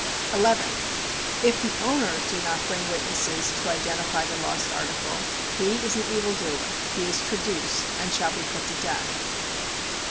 11. If the owner do not bring witnesses to identify the lost article, he is an evil doer, he has traduced, and shall be put to death.